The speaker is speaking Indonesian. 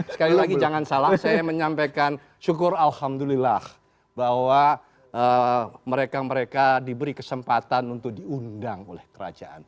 sekali lagi jangan salah saya menyampaikan syukur alhamdulillah bahwa mereka mereka diberi kesempatan untuk diundang oleh kerajaan